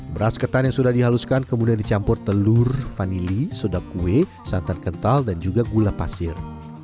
beras ketan yang sudah dihaluskan kemudian dicampur telur vanili soda kue santan kental dan juga gula pasir